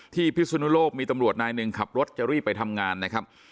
พิสุนุโลกมีตำรวจนายหนึ่งขับรถจะรีบไปทำงานนะครับ